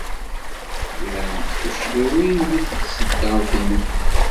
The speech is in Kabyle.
Llant tuccḍiwin deg tṣeddart-nnem.